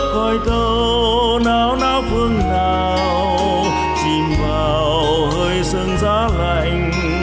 coi tàu náo náo phương nào chìm vào hơi sương giá lạnh